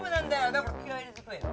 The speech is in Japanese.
だから気合入れて食えよ。